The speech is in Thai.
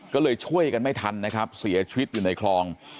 ก็เลยช่วยกันไม่ทันนะครับเสียชีวิตอยู่ในคลอง